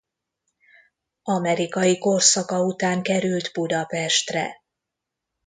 Amerikai korszaka után került Budapestre.